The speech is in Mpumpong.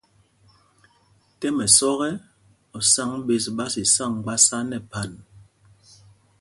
Tɛ́m ɛsɔ́k ɛ, osǎŋg ɓes ɓá sisá mgbásá nɛ phan.